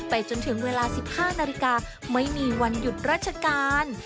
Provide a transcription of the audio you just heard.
จนถึงเวลา๑๕นาฬิกาไม่มีวันหยุดราชการ